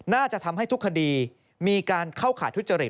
น่าจะทำให้ทุกคดีมีการเข้าข่ายทุจริต